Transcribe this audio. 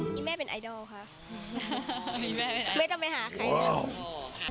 มีแม่เป็นไอดอลค่ะไม่ต้องไปหาใครแล้ว